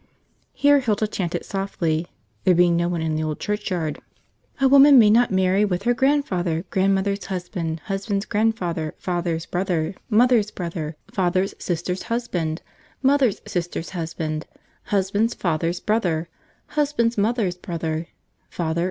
Here Hilda chanted softly, there being no one in the old churchyard: "A woman may not marry with her Grandfather. Grandmother's Husband, Husband's Grandfather.. Father's Brother. Mother's Brother. Father's Sister's Husband.. Mother's Sister's Husband. Husband's Father's Brother. Husband's Mother's Brother.. Father.